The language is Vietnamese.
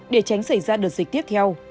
để tránh xảy ra đợt dịch tiếp theo